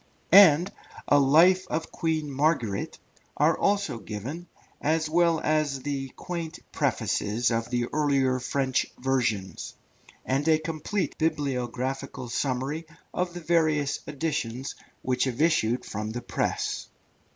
and a Life of Queen Margaret, are also given, as well as the quaint Prefaces of the earlier French versions; and a complete bibliographical summary of the various editions which have issued from the press.